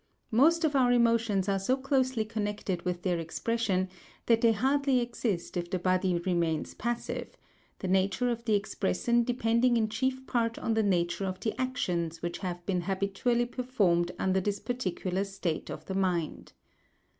Most of our emotions are so closely connected with their expression, that they hardly exist if the body remains passive—the nature of the expression depending in chief part on the nature of the actions which have been habitually performed under this particular state of the mind.